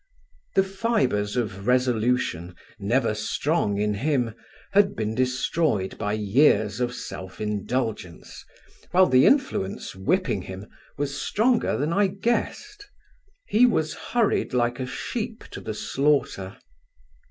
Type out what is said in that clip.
The fibres of resolution, never strong in him, had been destroyed by years of self indulgence, while the influence whipping him was stronger than I guessed. He was hurried like a sheep to the slaughter.